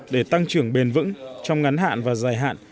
để tăng trưởng bền vững trong ngắn hạn và dài hạn